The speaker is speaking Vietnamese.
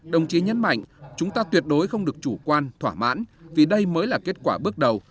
đồng chí nhấn mạnh chúng ta tuyệt đối không được chủ quan thỏa mãn vì đây mới là kết quả bước đầu